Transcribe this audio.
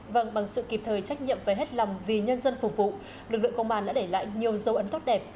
vâng bằng sự kịp thời trách nhiệm và hết lòng vì nhân dân phục vụ lực lượng công an đã để lại nhiều dấu ấn tốt đẹp